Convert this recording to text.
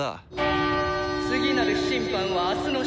次なる審判は明日の正午。